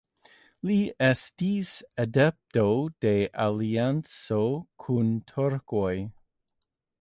Li estis adepto de alianco kun turkoj.